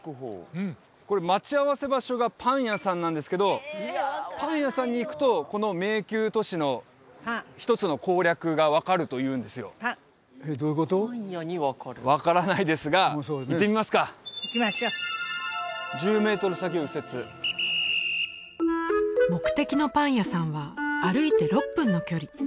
これ待ち合わせ場所がパン屋さんなんですけどパン屋さんに行くとこの迷宮都市の一つの攻略が分かるというんですよ分からないですが行ってみますか１０メートル先右折目的のパン屋さんは歩いて６分の距離